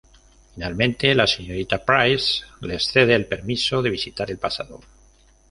Finalmente, la señorita Price les cede el permiso de visitar el pasado.